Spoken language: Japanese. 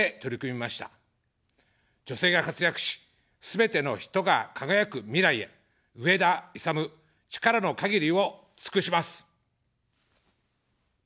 女性が活躍し、すべての人が輝く未来へ、上田いさむ、力の限りを尽くします。